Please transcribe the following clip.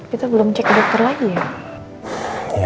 kita belum cek dokter lagi ya